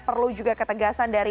perlu juga ketegasan dari